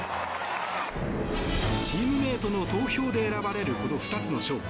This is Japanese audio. チームメートの投票で選ばれるこの２つの賞。